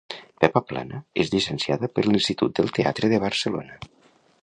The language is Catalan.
Pepa Plana és llicenciada per l'Institut del Teatre de Barcelona.